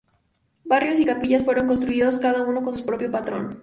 Barrios y capillas fueron construidos, cada uno con su propio patrón.